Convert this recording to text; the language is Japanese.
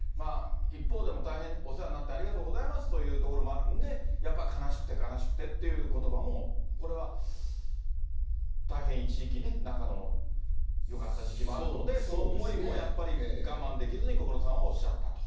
一方で大変お世話になってありがとうございますというところもあるんで、やっぱ悲しくて悲しくてっていうことばも、これは大変一時期ね、仲のよかった時期もあるのでという、この思いもやっぱり我慢できずに小室さんはおっしゃったと。